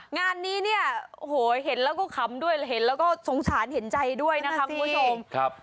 งานนี้เนี่ยเห็นแล้วก็คำด้วยมีสงสารเห็นใจด้วยนะครับ